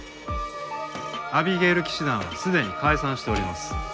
アビゲイル騎士団はすでに解散しております。